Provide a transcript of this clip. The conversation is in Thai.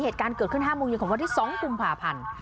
เหตุการณ์เกิดขึ้น๕โมงเย็นของวันที่๒กุมภาพันธ์